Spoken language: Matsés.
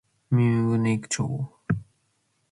Mimbimbo naic cho